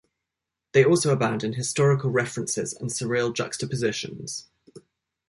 They also abound in historical references and surreal juxtapositions.